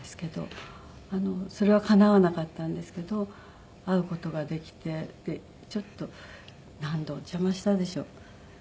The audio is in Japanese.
それはかなわなかったんですけど会う事ができてちょっと何度お邪魔したでしょう。